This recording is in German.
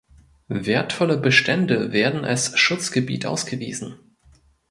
Wertvolle Bestände werden als Schutzgebiet ausgewiesen.